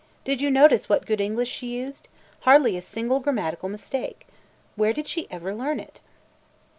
Did you notice what good English she used? Hardly a single grammatical mistake. Where did she ever learn it?"